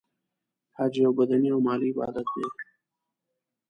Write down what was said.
حج یو بدنې او مالی عبادت دی .